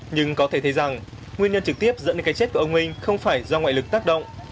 nhưng có thể thấy rằng nguyên nhân trực tiếp dẫn đến cái chết của ông minh không phải do ngoại lực tác động